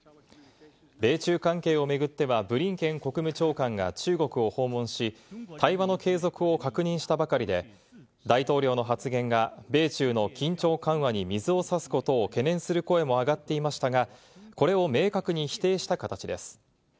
米中関係を巡っては、ブリンケン国務長官が中国を訪問し、対話の継続を確認したばかりで、大統領の発言が米中の緊張緩和に水を差すことを懸念する声も上がっていましたが、これを明確に否定した形です。